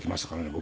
僕。